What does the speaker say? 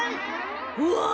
うわ！